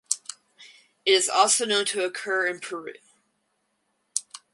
It is also known to occur in Peru.